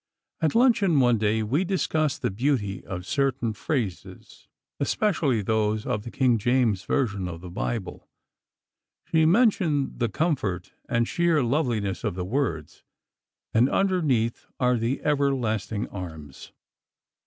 At luncheon, one day, we discussed the beauty of certain phrases, especially those of the King James version of the Bible. She mentioned the comfort and sheer loveliness of the words: "And underneath are the everlasting arms."